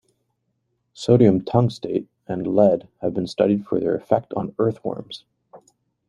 Sodium tungstate and lead have been studied for their effect on earthworms.